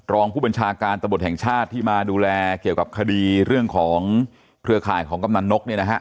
รองผู้บัญชาการตำรวจแห่งชาติที่มาดูแลเกี่ยวกับคดีเรื่องของเครือข่ายของกำนันนกเนี่ยนะฮะ